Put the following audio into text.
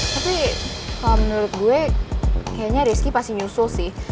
tapi kalau menurut gue kayaknya rizky pasti nyusul sih